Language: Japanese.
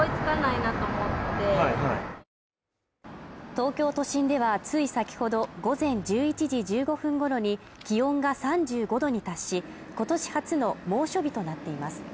東京都心ではつい先ほど午前１１時１５分ごろに気温が３５度に達し、今年初の猛暑日となっています。